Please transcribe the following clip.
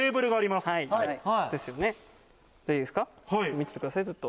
見ててくださいずっと。